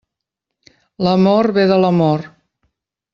L'amor ve de l'amor.